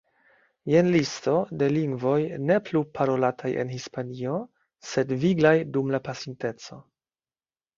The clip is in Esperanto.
Jen listo de lingvoj ne plu parolataj en Hispanio, sed viglaj dum la pasinteco.